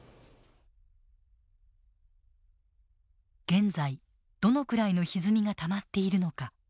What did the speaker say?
現在どのくらいのひずみがたまっているのか。